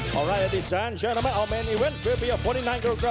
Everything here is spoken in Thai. มาพร้อมกับเข็มขัด๔๙กิโลกรัมซึ่งตอนนี้เป็นของวัดสินชัยครับ